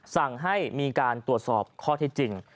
สั่งให้มีการตรวจสอบข้อที่จริง